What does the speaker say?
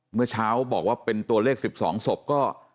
เมื่อเช้าบอกว่าเป็นตัวเลข๑๒ศพก็